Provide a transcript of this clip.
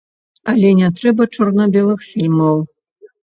Але не трэба чорна-белых фільмаў!